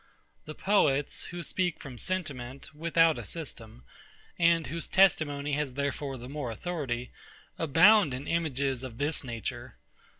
The poets, who speak from sentiment, without a system, and whose testimony has therefore the more authority, abound in images of this nature.